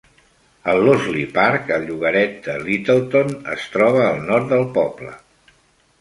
El Loseley Park, al llogaret de Littleton, es troba al nord del poble.